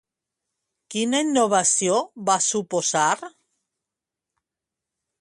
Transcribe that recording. Quina innovació va suposar?